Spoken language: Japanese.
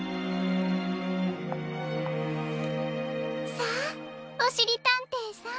さあおしりたんていさん。